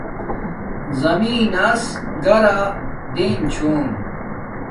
زمین نس گارا دیم چھوم